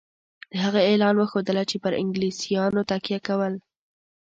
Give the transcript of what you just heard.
د هغه اعلان وښودله چې پر انګلیسیانو تکیه کوله.